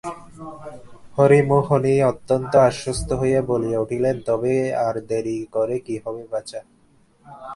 হরিমোহিনী অত্যন্ত আশ্বস্ত হইয়া বলিয়া উঠিলেন, তবে আর দেরি করে কী হবে বাছা?